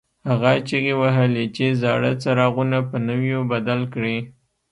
هغه چیغې وهلې چې زاړه څراغونه په نویو بدل کړئ.